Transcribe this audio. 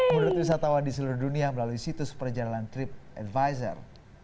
menurut wisatawan di seluruh dunia melalui situs perjalanan trip advisor